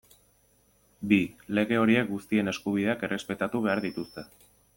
Bi, lege horiek guztien eskubideak errespetatu behar dituzte.